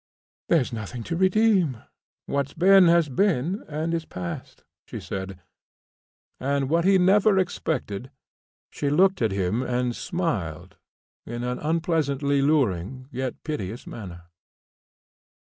"There's nothing to redeem. What's been has been and is passed," she said; and, what he never expected, she looked at him and smiled in an unpleasantly luring, yet piteous, manner.